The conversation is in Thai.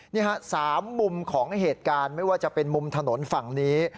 นี่ฮะ๓มุมของเหตุการณ์ไม่ว่าจะเป็นมุมถนนฝั่งนี้